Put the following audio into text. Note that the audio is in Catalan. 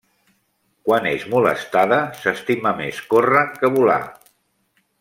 Quan és molestada s'estima més córrer que volar.